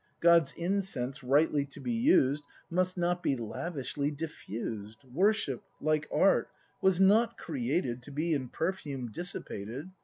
God's incense, rightly to be used, Must not be lavishly diffused; Worship, like Art, was not created To be in perfume dissipated.